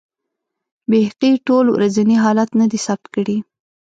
بیهقي ټول ورځني حالات نه دي ثبت کړي.